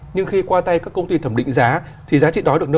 nhưng khi qua tay các công ty thẩm định giá